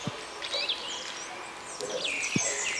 قومي مشران د نړیوالو بشري حقونو ملاتړ نه لري.